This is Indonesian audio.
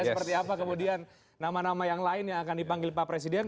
seperti apa kemudian nama nama yang lain yang akan dipanggil pak presiden